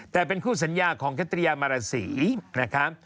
แต่เป็นคู่สัญญาของแคตรียามาราศีนะคะ